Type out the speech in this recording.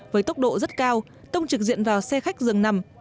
với tốc độ rất cao tông trực diện vào xe khách dường nằm